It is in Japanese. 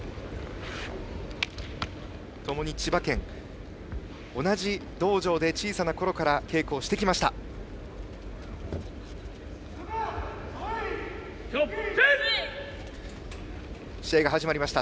ともに千葉県、同じ道場で小さなころから稽古をしてきました。